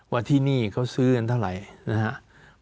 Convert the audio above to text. ว่าที่นี่เขาซื้อกันเท่าไหร่นะครับ